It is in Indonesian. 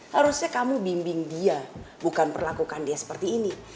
harusnya kamu bimbing dia bukan perlakukan dia seperti ini